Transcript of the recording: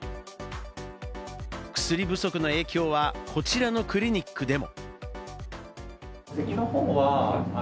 薬不足の影響は、こちらのクリニックでも。